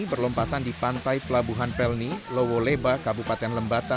berlompatan di pantai pelabuhan pelni lowo leba kabupaten lembata